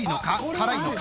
辛いのか？